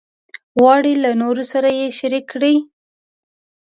غواړي له نورو سره یې شریک کړي.